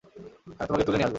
আমি তোমাকে তুলে নিয়ে আসবো।